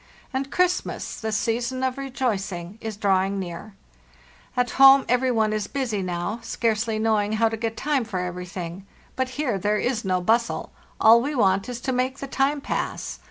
And Christmas, the season of rejoicing, is drawing near. At home, every one is busy now, scarcely knowing how to get time for everything; but here there is no bustle; all we want is to make the time pass.